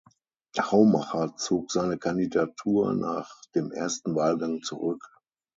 Haumacher zog seine Kandidatur nach dem ersten Wahlgang zurück.